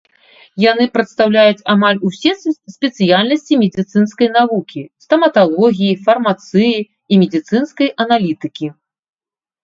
Яны прадстаўляюць амаль усе спецыяльнасці медыцынскай навукі, стаматалогіі, фармацыі і медыцынскай аналітыкі.